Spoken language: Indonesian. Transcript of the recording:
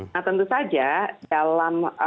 nah tentu saja dalam